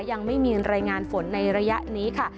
ยังไม่มีรายงานฝนในระยะนี้ค่ะ